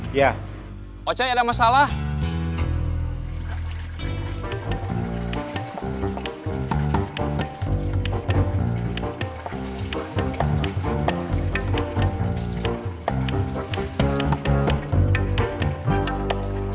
kamu mau ngel punishment gua itu